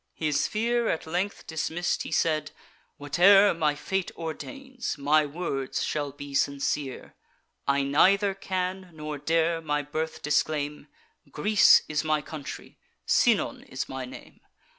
"His fear at length dismiss'd, he said: 'Whate'er My fate ordains, my words shall be sincere: I neither can nor dare my birth disclaim; Greece is my country, Sinon is my name.